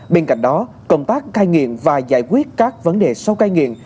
bên cạnh đó công tác cai nghiện và giải quyết các vấn đề sau cai nghiện